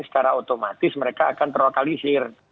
secara otomatis mereka akan terlokalisir